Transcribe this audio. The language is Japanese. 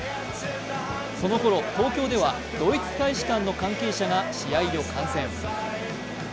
その頃、東京ではドイツ大使館の関係者が試合を観戦。